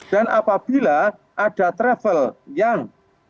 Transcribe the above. dan apabila ada travel yang